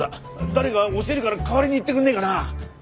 誰か教えるから代わりに行ってくんねえかな？